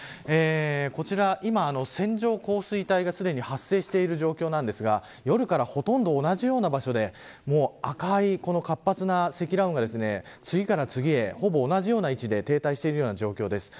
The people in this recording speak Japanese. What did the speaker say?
こちら今、線状降水帯がすでに発生している状況なんですが夜からほとんど同じような場所で赤い、この活発な積乱雲が次から次へほぼ同じような位置で停滞している状況です。